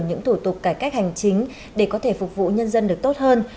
những thủ tục cải cách hành chính để có thể phục vụ nhân dân được tốt hơn